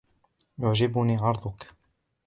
يعجبني عرضك.